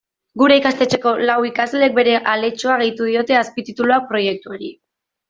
Gure ikastetxeko lau ikasleek bere aletxoa gehitu diote azpitituluak proiektuari.